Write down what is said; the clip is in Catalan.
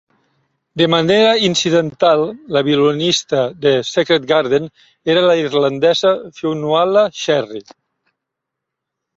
De manera incidental, la violinista de Secret Garden era la irlandesa Fionnuala Sherry.